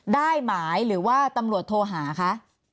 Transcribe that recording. ได้หมายหรือว่าตำรวจโทรหาคะ